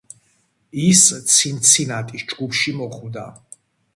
ის ცინცინატის ჯგუფში მოხვდა.